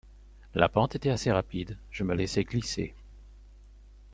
La pente était assez rapide ; je me laissai glisser.